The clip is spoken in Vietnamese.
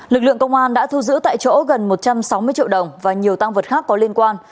lực lượng công an đã thu giữ tại chỗ gần một trăm sáu mươi triệu đồng và nhiều tăng vật khác có liên quan